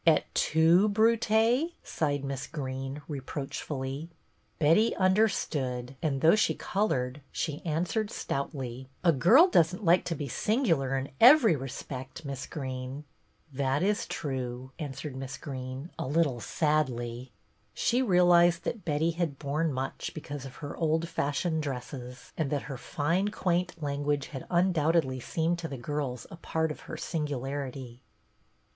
"' Et tu. Brute', " sighed Miss Greene, reproachfully. Betty understood, and though she colored she answered stoutly, —" A girl does n't like to be singular in every respect. Miss Greene." " That is true," answered Miss Greene, a little sadly. She realized that Betty had borne much because of her old fashioned dresses, and that her fine quaint language had undoubtedly seemed to the girls a part of her singularity.